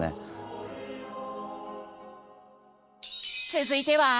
続いては？